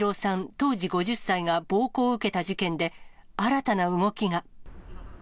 当時５０歳が暴行を受けた事件で、新たな動きが。